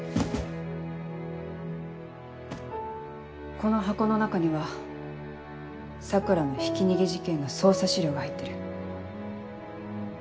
この箱の中には桜のひき逃げ事件の捜査資料が入ってる。